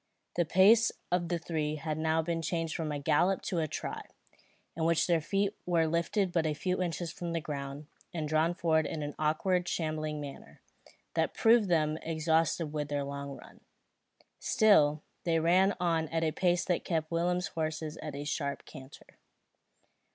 The pace of the three had now been changed from a gallop to a trot, in which their feet were lifted but a few inches from the ground, and drawn forward in an awkward shambling manner, that proved them exhausted with their long run. Still, they ran on at a pace that kept Willem's horse at a sharp canter.